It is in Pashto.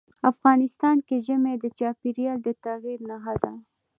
افغانستان کې ژمی د چاپېریال د تغیر نښه ده.